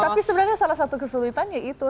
tapi sebenarnya salah satu kesulitannya itu